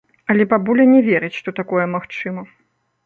Але бабуля не верыць, што такое магчыма.